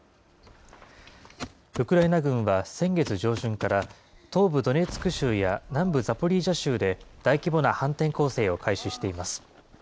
ウクライナ軍は先月上旬から、東部ドネツク州や南部ザポリージャ州で大規模な反転攻勢を開始しています。